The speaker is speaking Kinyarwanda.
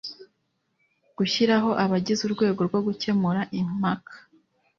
gushyiraho abagize urwego rwo gukemura impaka